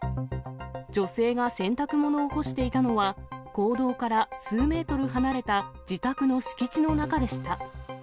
女性が洗濯物を干していたのは、公道から数メートル離れた自宅の敷地の中でした。